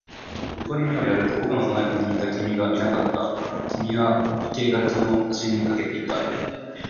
横に目をやると、僕の隣にいた君がいなかった。君は生垣の端に駆けていた。